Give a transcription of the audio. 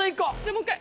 もう１回。